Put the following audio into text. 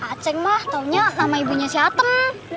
ah ceng mah taunya nama ibunya si atem